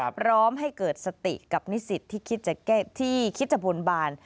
พร้อมให้เกิดสติกับนิสิตที่คิดจะบนบาน